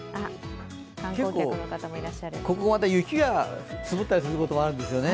ここは雪が積もったりすることがあるんですよね。